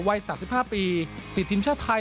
วัย๓๕ปีติดทีมชาติไทย